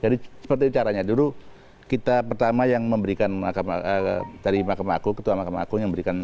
jadi seperti caranya dulu kita pertama yang memberikan dari mahkamah agung ketua mahkamah agung yang memberikan